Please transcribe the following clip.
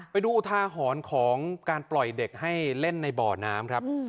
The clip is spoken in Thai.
อุทาหรณ์ของการปล่อยเด็กให้เล่นในบ่อน้ำครับ